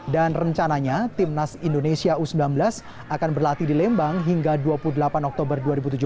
dan rencananya tim nas indonesia u sembilan belas akan berlatih di lembang hingga dua puluh delapan oktober dua ribu tujuh belas